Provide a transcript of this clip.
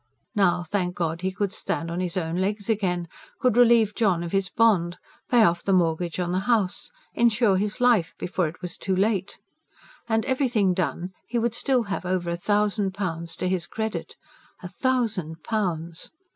Now, thank God, he could stand on his own legs again; could relieve John of his bond, pay off the mortgage on the house, insure his life before it was too late. And, everything done, he would still have over a thousand pounds to his credit. A thousand pounds!